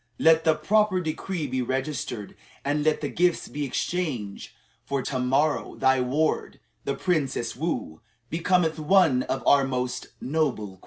Let the proper decree be registered, and let the gifts be exchanged; for to morrow thy ward, the Princess Woo, becometh one of our most noble queens."